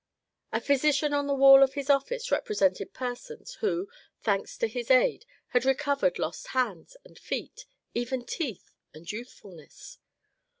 A physician on the wall of his office represented persons who, thanks to his aid, had recovered lost hands and feet, even teeth and youthfulness.